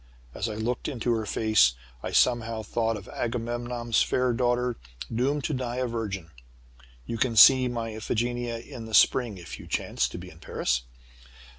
As I looked into her face, I somehow thought of Agamemnon's fair daughter doomed to die a virgin. You can see my 'Iphigenia' in the spring, if you chance to be in Paris.